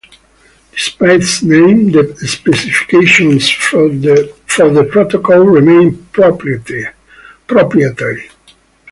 Despite its name, the specifications for the protocol remain proprietary.